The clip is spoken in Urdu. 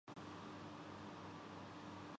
مذہبی تعلیمات کو کیا عمومی نصاب کا حصہ ہو نا چاہیے؟